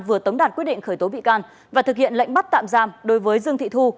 vừa tống đạt quyết định khởi tố bị can và thực hiện lệnh bắt tạm giam đối với dương thị thu